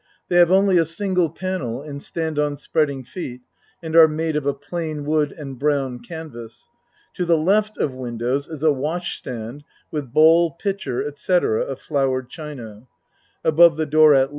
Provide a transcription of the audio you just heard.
They have only a single panel and stand on spreading feet, and are made of a plainwood and brown canvas. To the L. of windows is a wash stand, with bowl, pitcher, etc., of flowered china. Above the door at L.